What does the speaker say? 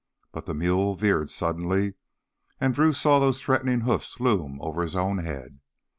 But the mule veered suddenly, and Drew saw those threatening hoofs loom over his own head.